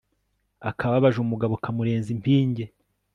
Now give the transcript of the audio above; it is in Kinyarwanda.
akababaje umugabo kamurenza impinge